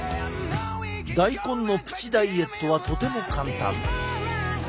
大根のプチダイエットはとても簡単。